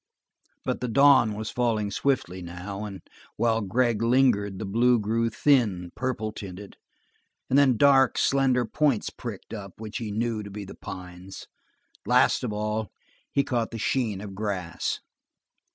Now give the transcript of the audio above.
But the dawn was falling swiftly now, and while Gregg lingered the blue grew thin, purple tinted, and then dark, slender points pricked up, which he knew to be the pines. Last of all, he caught the sheen of grass.